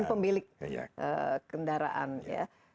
dan pemilik kendaraan ya